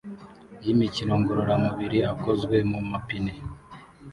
yimikino ngororamubiri akozwe mu mapine